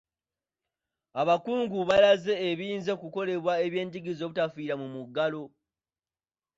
Abakungu balaze ebiyinza okukolebwa eby’enjigiriza obutafiira mu muggalo.